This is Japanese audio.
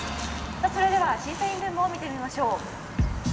それでは審査員ルームを見てみましょう。